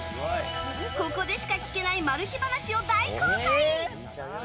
ここでしか聞けないマル秘話を大公開！